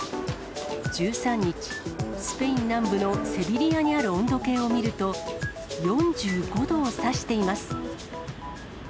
１３日、スペイン南部のセビリアにある温度計を見ると、４５度を指しています。